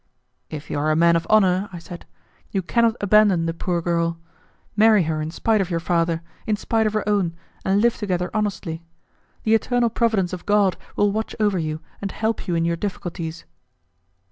"If you are a man of honour," I said, "you cannot abandon the poor girl. Marry her in spite of your father, in spite of her own, and live together honestly. The eternal Providence of God will watch over you and help you in your difficulties."